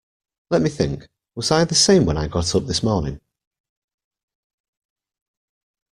Let me think: was I the same when I got up this morning?